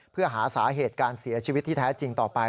เพื่อหาสาเหตุการเสียชีวิตที่แท้จริงต่อไป